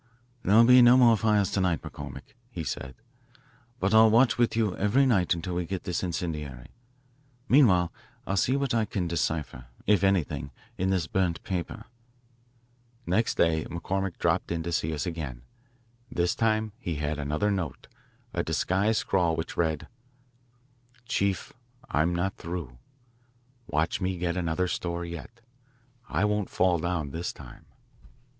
"There'll be no more fires to night, McCormick," he said. "But I'll watch with you every night until we get this incendiary. Meanwhile I'll see what I can decipher, if anything, in this burnt paper." Next day McCormick dropped in to see us again. This time he had another note, a disguised scrawl which read: Chief I'm not through. Watch me get another store yet. I won't fall down this time.